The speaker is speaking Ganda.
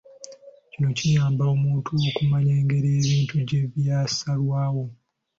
Kino kiyamba omuntu okumanya engeri ebintu gye byasalwawo.